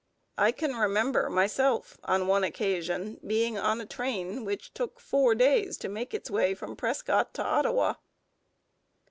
I can remember, myself, on one occasion being on a train which took four days to make its way from Prescott to Ottawa.